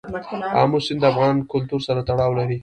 آمو سیند د افغان کلتور سره تړاو لري.